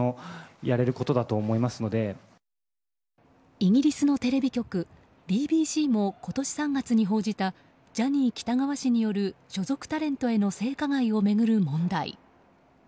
イギリスのテレビ局ＢＢＣも今年３月に報じたジャニー喜多川氏による所属タレントへの性加害を巡る問題。